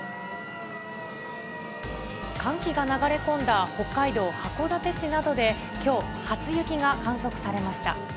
寒気が流れ込んだ北海道函館市などできょう、初雪が観測されました。